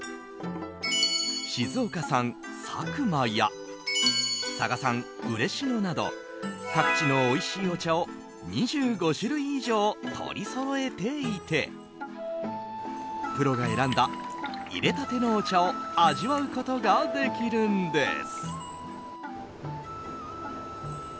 静岡産、佐久間や佐賀産、嬉野など各地のおいしいお茶を２５種類以上取りそろえていてプロが選んだ、いれたてのお茶を味わうことができるんです。